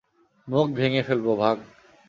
মুখ ভেঙে ফেলবো, ভাগ!